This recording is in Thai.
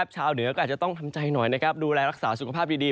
ชาวเหนือก็อาจจะต้องทำใจหน่อยนะครับดูแลรักษาสุขภาพดี